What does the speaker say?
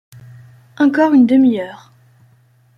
Encore une demi-heure